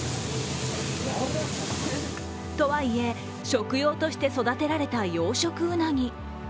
とはいえ、食用として育てられた養殖うなぎ。